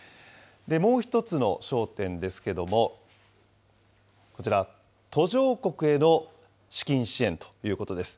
もう１つの焦点ですけども、こちら、途上国への資金支援ということです。